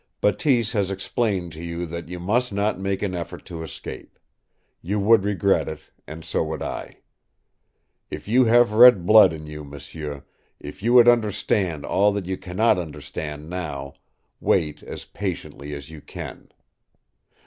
Bateese has explained to you that you must not make an effort to escape. You would regret it, and so would I. If you have red blood in you, m'sieu if you would understand all that you cannot understand now wait as patiently as you can.